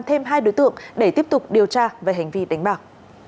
thêm hai đối tượng để tiếp tục điều tra về hành vi đánh bạc